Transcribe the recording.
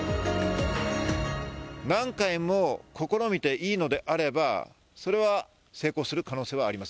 何回も試みていいのであれば、それは成功する可能性はあります。